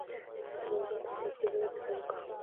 پنځمه ورځ سنباد پنځمه کیسه وکړه.